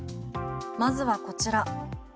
まずはこちら。